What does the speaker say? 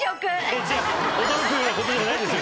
驚くようなことじゃないですよ